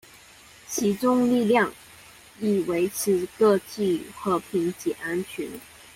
集中力量，以維持國際和平及安全